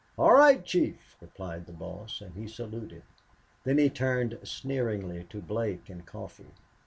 "All right, chief," replied the boss, and he saluted. Then he turned sneeringly to Blake and Coffee.